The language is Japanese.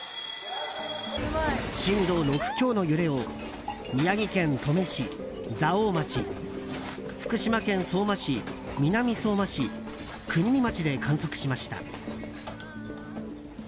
震度６強の揺れを宮城県登米市、蔵王町福島県相馬市、南相馬市国見町で観測しました。